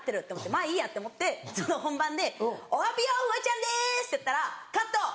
まぁいいやって思って本番で「おはぴよフワちゃんです」ってやったら「カット！